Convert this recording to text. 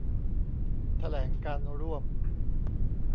แถลงการณ์ร่วม